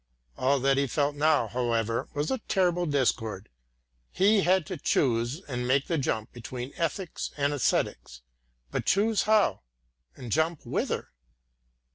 All that he felt now, however, was a terrible discord. He had to choose and make the jump between ethics and æsthetics, but choose how? and jump whither?